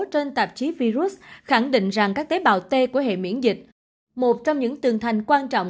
trên tạp chí virus khẳng định rằng các tế bào t của hệ miễn dịch một trong những tường thành quan trọng